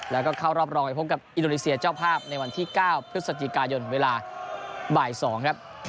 แล้วก็เข้ารอบรองไปพบกับอินโดนีเซียเจ้าภาพในวันที่๙พฤศจิกายนเวลาบ่าย๒ครับ